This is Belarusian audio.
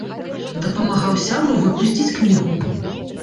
Дапамагаў сябру выпусціць кнігу.